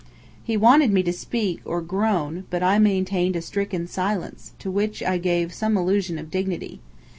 He wanted me to speak, or groan; but I maintained a stricken silence, to which I gave some illusion of dignity.